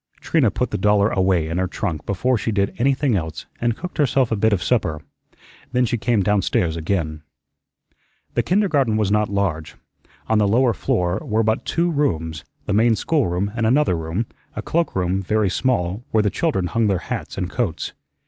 Trina put the dollar away in her trunk before she did anything else and cooked herself a bit of supper. Then she came downstairs again. The kindergarten was not large. On the lower floor were but two rooms, the main schoolroom and another room, a cloakroom, very small, where the children hung their hats and coats.